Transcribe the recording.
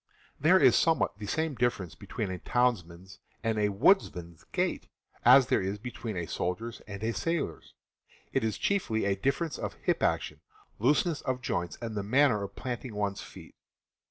There is somewhat the same difference between a townsman's and a woodsman's gait as there is between TT X a soldier's and a sailor's. It is chiefly ^ J, a difference of hip action, looseness of joints, and the manner of planting one's feet.